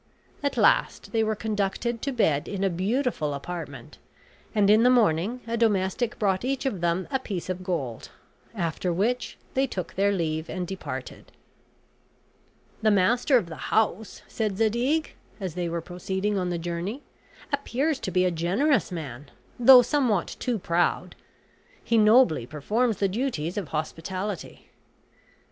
At last they were conducted to bed in a beautiful apartment; and in the morning a domestic brought each of them a piece of gold, after which they took their leave and departed. "The master of the house," said Zadig, as they were proceeding on the journey, "appears to be a generous man, though somewhat too proud; he nobly performs the duties of hospitality."